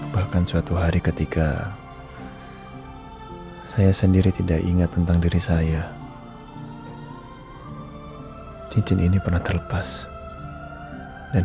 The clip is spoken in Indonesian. bahkan suatu hari ketika saya sendiri tidak ingat tentang diri saya cincin ini pernah terlepas dan